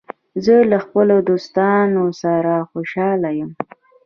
زه له خپلو دوستانو سره خوشحال یم.